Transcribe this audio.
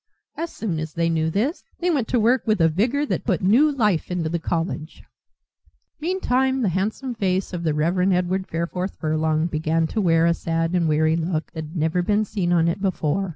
As soon as they knew this they went to work with a vigour that put new life into the college. Meantime the handsome face of the Reverend Edward Fareforth Furlong began to wear a sad and weary look that had never been seen on it before.